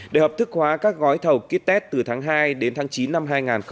để hợp thức hóa các gói thầu kýt test từ tháng hai đến tháng chín năm hai nghìn hai mươi